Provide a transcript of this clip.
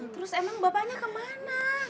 terus emang bapaknya kemana